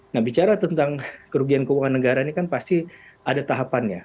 nah bicara tentang kerugian keuangan negara ini kan pasti ada tahapannya